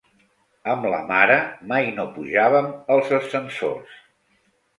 Amb la mare mai no pujàvem als ascensors.